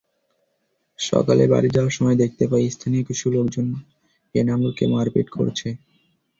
সকালে বাড়ি যাওয়ার সময় দেখতে পাই, স্থানীয় কিছু লোকজন এনামুরকে মারপিট করছে।